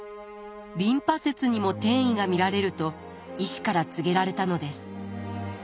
リンパ節にも転移が見られると医師から告げられたのです。